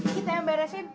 kita yang beresin